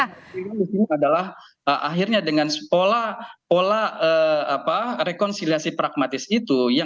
yang terjadi adalah akhirnya dengan pola rekonsiliasi pragmatis itu